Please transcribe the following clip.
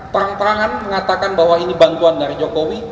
terang terangan mengatakan bahwa ini bantuan dari jokowi